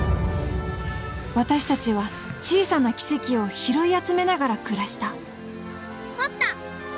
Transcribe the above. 私達は小さな奇跡を拾い集めながら暮らしたあった！